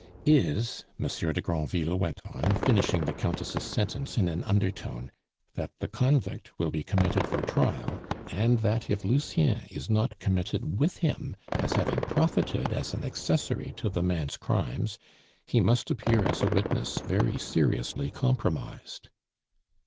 "Is," Monsieur de Granville went on, finishing the Countess' sentence in an undertone, "that the convict will be committed for trial, and that if Lucien is not committed with him as having profited as an accessory to the man's crimes, he must appear as a witness very seriously compromised."